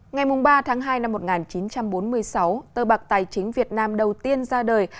ngày ba tháng hai năm một nghìn chín trăm bốn mươi sáu tờ bạc tài chính việt nam đầu tiên ra đời